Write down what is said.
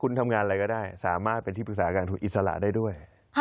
คุณทำงานอะไรก็ได้สามารถเป็นที่ปรึกษาการทุนอิสระได้ด้วย